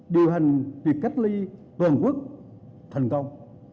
điều hành việc cách ly toàn quốc thành công